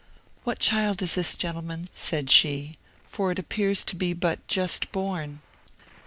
"What child is this, gentlemen?" said she, "for it appears to be but just born."